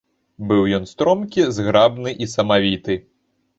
Быў ён стромкі, зграбны і самавіты.